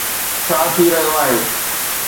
ڇا ٿي رهيو آهي